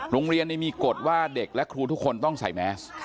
โรงเรียนมีกฎว่าเด็กและครูทุกคนต้องใส่แมส